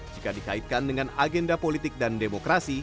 jika dikaitkan dengan agenda politik dan demokrasi